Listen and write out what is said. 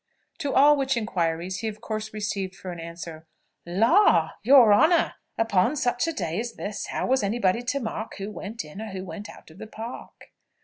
To all which inquiries he of course received for answer, "Law! your honour, upon such a day as this, how was any body to mark who went in, or who went out of the Park?"